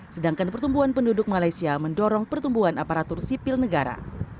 sedangkan pertumbuhan penduduk malaysia mendorong pertumbuhan aparatur sipil negara